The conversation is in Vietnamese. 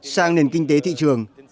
sang nền kinh tế thị trường